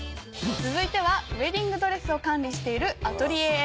続いてはウエディングドレスを管理しているアトリエへ。